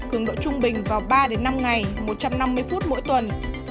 cứng độ trung bình vào ba năm ngày một trăm năm mươi phút mỗi tuần